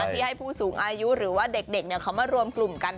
ที่ให้ผู้สูงอายุหรือว่าเด็กเขามารวมกลุ่มกัน